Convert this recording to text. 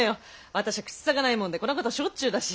私ゃ口さがないもんでこんなこたしょっちゅうだし。